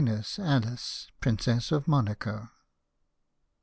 ALICE, PRINCESS OF MONACO.